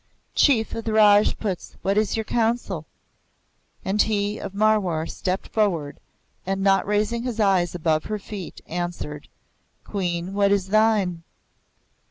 "Chief of the Rajputs, what is your counsel?" And he of Marwar stepped forward, and not raising his eyes above her feet, answered, "Queen, what is thine?"